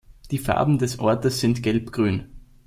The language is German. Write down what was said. Die Farben des Ortes sind: Gelb-Grün.